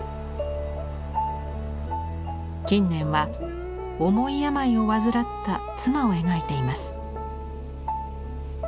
近年は重い病を患った妻を描いています。